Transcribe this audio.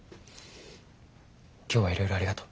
今日はいろいろありがとう。